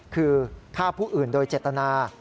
คือฆ่าผู้อื่นโดยเจตนา